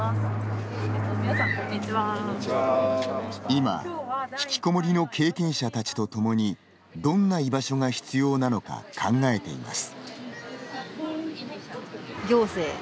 今、ひきこもりの経験者たちと共にどんな居場所が必要なのか考えています。